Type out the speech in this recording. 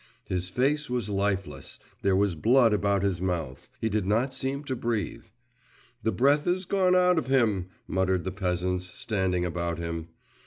His face was lifeless, there was blood about his mouth; he did not seem to breathe. 'The breath is gone out of him,' muttered the peasants, standing about him.